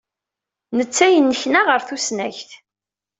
Netta yennekna ɣer tusnakt.